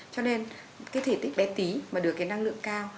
cho nên cái thể tích bé tí mà được cái năng lượng cao